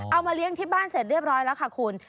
เอามาเลี้ยงที่บ้านเสร็จเรียบร้อยแล้วค่ะคุณ